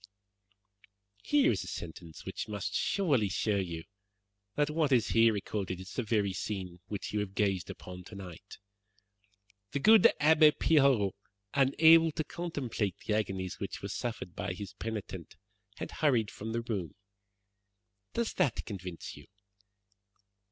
"Here is a sentence which must surely show you that what is here recorded is the very scene which you have gazed upon tonight: 'The good Abbe Pirot, unable to contemplate the agonies which were suffered by his penitent, had hurried from the room.' Does that convince you?"